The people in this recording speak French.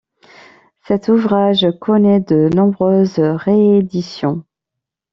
Cet ouvrage connaît de nombreuses rééditions.